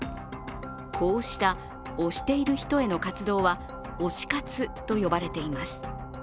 こうした、推している人への活動は推し活と呼ばれています。